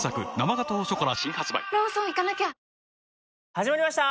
始まりました